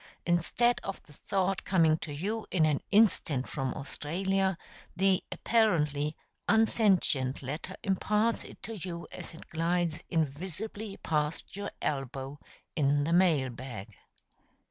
Instead of the thought coming to you in an instant from Australia, the (apparently) unsentient letter imparts it to you as it glides invisibly past your elbow in the mail bag.